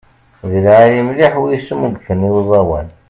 D lεali mliḥ w' ismuzegten i uẓawan.